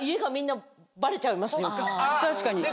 確かに。